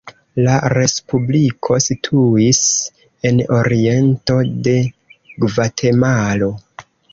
La respubliko situis en oriento de Gvatemalo.